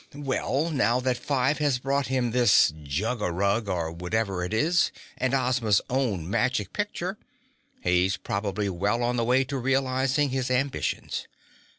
Well, now that Five has brought him this jug a rug or whatever it is and Ozma's own magic picture he's probably well on the way to realizing his ambitions.